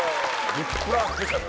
「グップラスペシャル！」